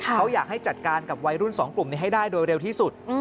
เขาอยากให้จัดการกับวัยรุ่นสองกลุ่มนี้ให้ได้โดยเร็วที่สุด